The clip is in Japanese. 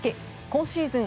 今シーズン